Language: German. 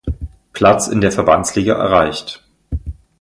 Platz in der Verbandsliga erreicht.